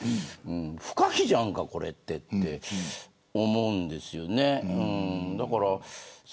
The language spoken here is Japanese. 不可避じゃんか、これと思うんですよね。